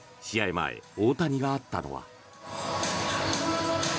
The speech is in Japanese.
前、大谷が会ったのは。